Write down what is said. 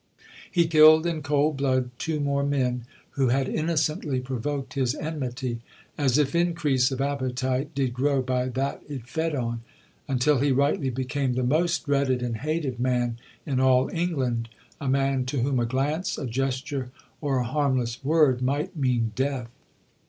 He killed in cold blood two more men who had innocently provoked his enmity, "as if increase of appetite did grow by that it fed on," until he rightly became the most dreaded and hated man in all England, a man to whom a glance, a gesture, or a harmless word might mean death.